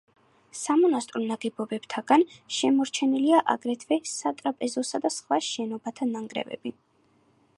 სამონასტრო ნაგებობათაგან შემორჩენილია აგრეთვე სატრაპეზოსა და სხვა შენობათა ნანგრევები.